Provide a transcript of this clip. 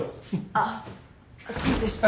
あっそうでした。